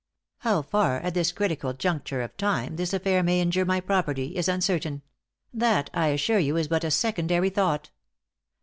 How far, at this critical juncture of time, this affair may injure my property, is uncertain; that, I assure you, is but a secondary thought."